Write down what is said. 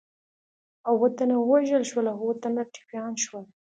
اووه تنه ووژل شول او اووه تنه ټپیان شول.